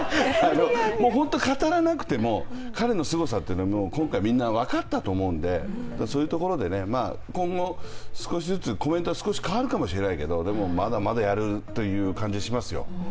本当に語らなくても彼のすごさ、今回みんな分かったと思うのでそういうところで、今後、少しずつ、コメントは少し変わるかもしれないけど、でも、まだまだやるという感じがしますよ。